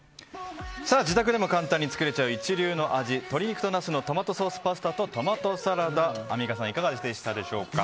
自宅でも簡単に作れちゃう一流の味、鶏肉とナスのトマトソースパスタとトマトサラダ、アンミカさんいかがでしたでしょうか。